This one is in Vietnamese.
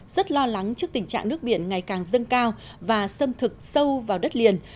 rất lo lắng trước tình trạng nước biển ngày càng dâng cao và xâm thực sâu vào đất liền